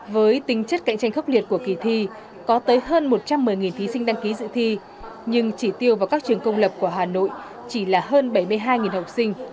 với tính chất cạnh tranh khốc liệt của kỳ thi có tới hơn một trăm một mươi thí sinh đăng ký dự thi nhưng chỉ tiêu vào các trường công lập của hà nội chỉ là hơn bảy mươi hai học sinh